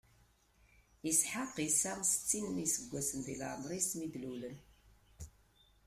Isḥaq isɛa settin n iseggasen di lɛemṛ-is, mi d-lulen.